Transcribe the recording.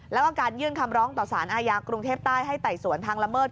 แล้วก็การยื่นคำร้องต่อสารอาญากรุงเทพใต้ให้ไต่สวนทางละเมิด